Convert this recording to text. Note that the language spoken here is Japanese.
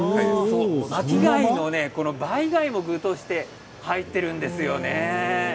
巻き貝の、バイ貝も具として入っているんですよね。